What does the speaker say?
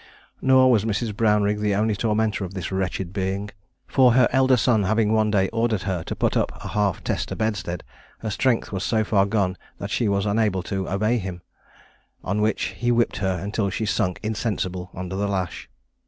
Nor was Mrs. Brownrigg the only tormentor of this wretched being, for her elder son having one day ordered her to put up a half tester bedstead, her strength was so far gone that she was unable to obey him, on which he whipped her until she sunk insensible under the lash.